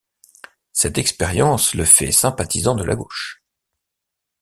Cette expérience le fait sympathisant de la gauche.